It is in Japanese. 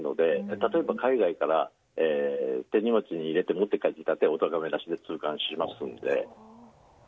例えば海外から手荷物に入れて持って帰ってきても通関しますので。